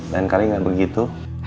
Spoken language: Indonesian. lain kali gak begitu